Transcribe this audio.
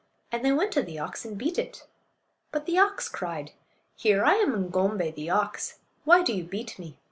And they went to the ox and beat it. But the ox cried: "Here! I am Ng'om'bay, the ox. Why do you beat me?